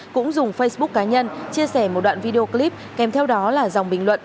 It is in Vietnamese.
cũng dùng facebook cá nhân chia sẻ một đoạn video clip kèm theo đó là dòng bình luận